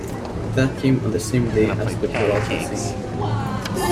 That came on the same day as the Peralta signing.